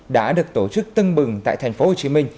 đã được tổ chức tân bừng tại tp hcm